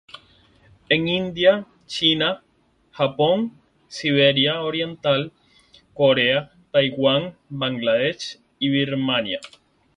En India, China, Japón, Siberia oriental, Corea, Taiwan, Bangladesh, Birmania.